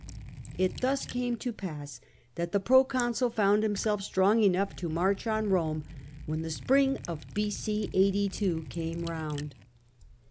It thus came to pass that the proconsul found himself strong enough to march on Eome when the spring of B.o. 82 came round.